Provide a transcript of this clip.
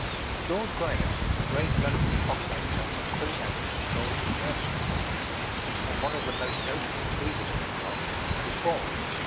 George Graham, the great London clock maker of Queen Anne's and George the First's time, and one of the most noted improvers of the clock, was born in 1675.